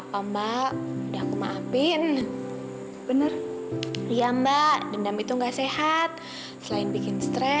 sampai jumpa di video selanjutnya